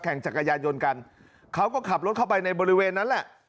จักรยานยนต์กันเขาก็ขับรถเข้าไปในบริเวณนั้นแหละ